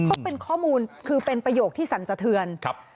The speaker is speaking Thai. ก็เป็นข้อมูลคือเป็นประโยคที่สั่นสะเทือนครับ